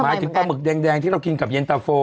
ถึงปลาหมึกแดงที่เรากินกับเย็นตะโฟ